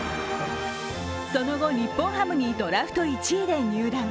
その後、日本ハムにドラフト１位で入団。